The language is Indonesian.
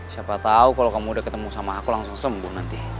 siapa tahu kalau kamu udah ketemu sama aku langsung sembuh nanti